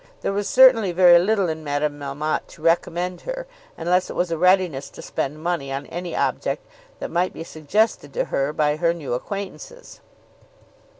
There was certainly very little in Madame Melmotte to recommend her, unless it was a readiness to spend money on any object that might be suggested to her by her new acquaintances.